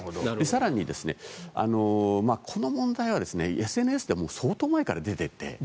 更に、この問題はＳＮＳでも相当前から出ていて。